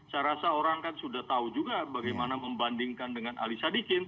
saya rasa orang kan sudah tahu juga bagaimana membandingkan dengan ali sadikin